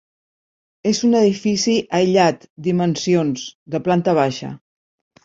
És un edifici aïllat dimensions, de planta baixa.